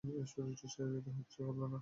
এ সুযোগটি ছেড়ে দিতে ইচ্ছে করল না।